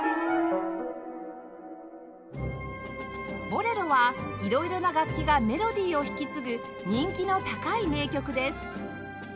『ボレロ』は色々な楽器がメロディを弾き継ぐ人気の高い名曲です